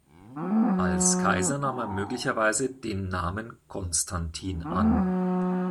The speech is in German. Als Kaiser nahm er möglicherweise zusätzlich den Namen "Konstantin" an.